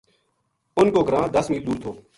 انھ کو گراں دس میل دور تھو